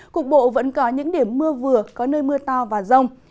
cục bộ vẫn có những điểm mưa vừa có nơi mưa to và rông